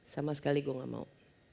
sama sekali gue gak mau